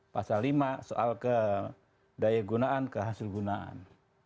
pasal lima soal ke daya gunaan kehasil gunaan